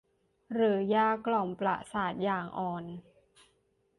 หรือยากล่อมประสาทอย่างอ่อน